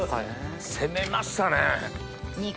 攻めましたね。